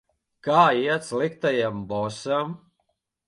Kā iet sliktajam bosam?